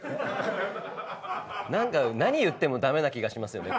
何か何言っても駄目な気がしますよね。